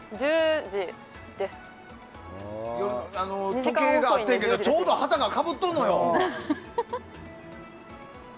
時計があったけどちょうど旗がかぶってるのよ。